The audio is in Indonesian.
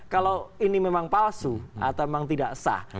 kalau ini memang palsu atau memang tidak sah